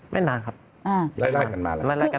ไม่นานครับไล่กันมาแล้ว